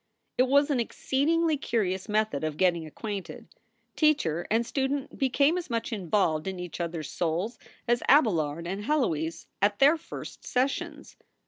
It was an exceedingly curious method of getting acquainted. Teacher and student became as much involved in each other s souls as Abelard and Heloise at their first sessions.